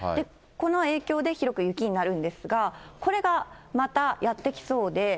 この影響で広く雪になるんですが、これがまたやって来そうで。